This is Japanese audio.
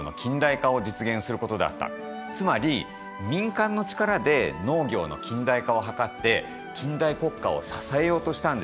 つまり民間の力で農業の近代化を図って近代国家を支えようとしたんです。